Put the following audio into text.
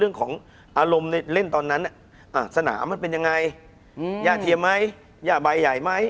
คุณผู้ชมบางท่าอาจจะไม่เข้าใจที่พิเตียร์สาร